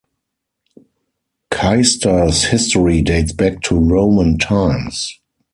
Caister's history dates back to Roman times.